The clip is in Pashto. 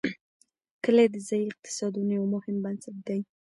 کلي د ځایي اقتصادونو یو مهم بنسټ دی.